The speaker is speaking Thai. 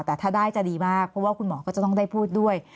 แต่ถ้าได้จะดีมากเพราะว่าคุณหมอก็จะต้องได้พูดด้วย